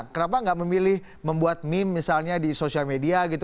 kenapa nggak memilih membuat meme misalnya di sosial media gitu